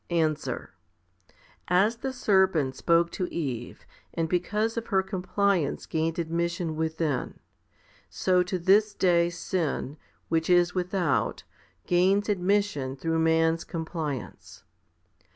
Answer. As the serpent spoke to Eve, and because of her compliance gained admission within, so to this day sin, which is without, gains admission through man's com pliance.